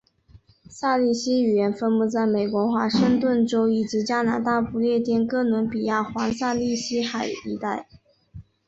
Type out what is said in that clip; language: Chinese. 萨利希语言分布在美国华盛顿州以及加拿大不列颠哥伦比亚环萨利希海一带。